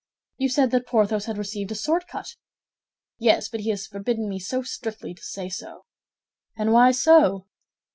"You said that Porthos had received a sword cut." "Yes, but he has forbidden me so strictly to say so." "And why so."